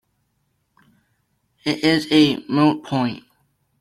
It is a moot point.